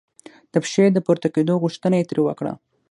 د پښې د پورته کېدو غوښتنه یې ترې وکړه.